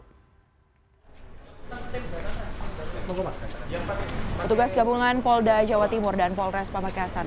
petugas gabungan polda jawa timur dan polres pamekasan